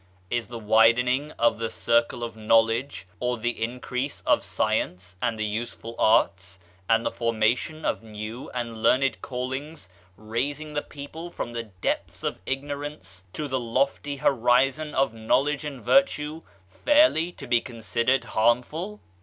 Is the widening of the circle of knowledge, or the increase of science and the useful arts, and the formation of new and learned callings, raising the people from the depths of ignorance to the lofty 19 Digitized by Google MYSTERIOUS FORCES horizon of knowledge and virtue, fairly to be con sidered harmful?